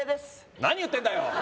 何言ってんだよ！